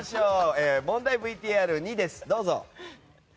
問題ＶＴＲ２です、どうぞ。